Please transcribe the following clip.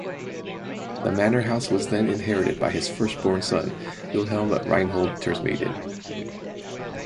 The manor house was then inherited by his firstborn son Wilhelm Reinhold Tersmeden.